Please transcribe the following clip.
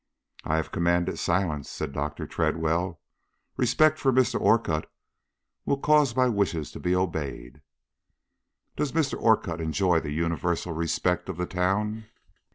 "I have commanded silence," said Dr. Tredwell. "Respect for Mr. Orcutt will cause my wishes to be obeyed." "Does Mr. Orcutt enjoy the universal respect of the town?"